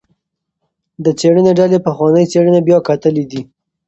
د څیړنې ډلې پخوانۍ څیړنې بیا کتلي دي.